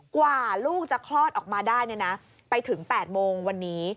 กว่าลูกจะคลอดออกมาได้ไปถึง๘โมงวันนี้